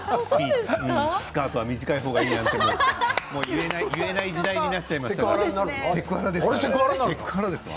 スカートは短い方がいいなんて言えない時代になっちゃいましたからセクハラですから。